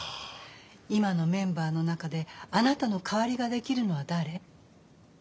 今のメンバーの中であなたの代わりができるのは誰？